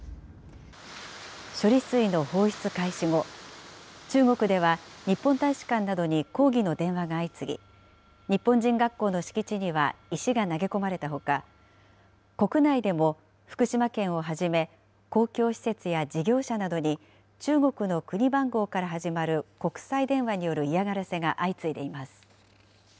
処理水の放出開始後、中国では日本大使館などに抗議の電話が相次ぎ、日本人学校の敷地には石が投げ込まれたほか、国内でも福島県をはじめ、公共施設や事業者などに中国の国番号から始まる国際電話による嫌がらせが相次いでいます。